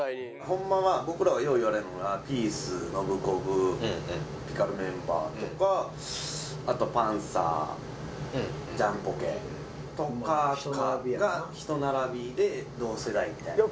ホンマは僕らがよう言われるのがピースノブコブ『ピカル』メンバーとかあとパンサージャンポケとかがひと並びで同世代みたいな。